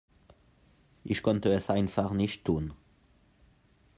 Ich konnte es einfach nicht tun.